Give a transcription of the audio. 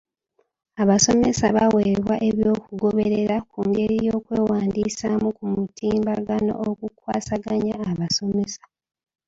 Abasomesa baweebwa ebyokugoberera ku ngeri y'okwewandiisamu ku mutimbagano ogukwasaganya abasomesa.